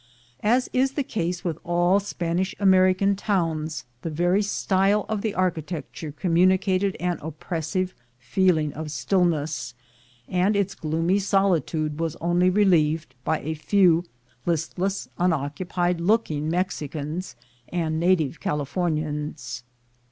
As is the case with all Spanish American towns, the very style of the architecture communicated an oppressive feeling of stillness, and its gloomy solitude was only relieved by a few listless unoccupied looking Mexicans and native Californians.